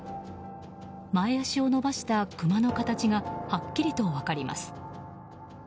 前足を伸ばしたクマの形がはっきりと分かります。